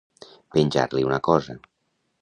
Penjar-li una cosa.